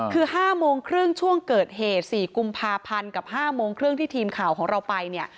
คือ๕โมงครึ่งช่วงเกิดเหตุ๔กุมภาพันธ์กับ๕โมงครึ่งที่ทีมข่าวของเราไปเนี่ย